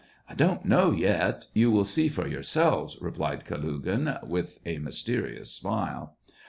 "I don't know yet — you will see for your selves," replied Kalugin, with a mysterious smile.